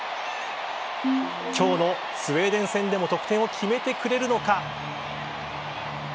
今日のスウェーデン戦でも得点を決めてくれるのか。